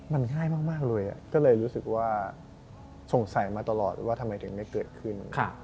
มันง่ายมากเลยก็เลยรู้สึกว่าสงสัยมาตลอดว่าทำไมถึงไม่เกิดขึ้น